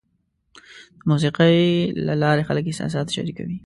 د موسیقۍ له لارې خلک احساسات شریکوي.